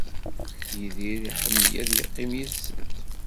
Yidir iḥmmel ad yeqqim yid-sent.